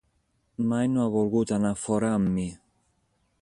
Mai no ha volgut anar fora amb mi.